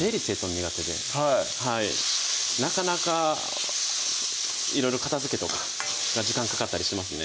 苦手ではいなかなかいろいろ片づけとかが時間かかったりしますね